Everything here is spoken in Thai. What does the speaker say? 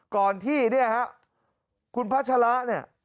ก่อนที่เนี่ยครับคุณพระชะละเนี่ย